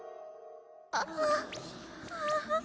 「ああ」